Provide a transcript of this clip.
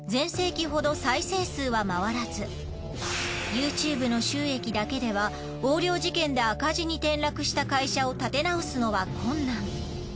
ＹｏｕＴｕｂｅの収益だけでは横領事件で赤字に転落した会社を立て直すのは困難。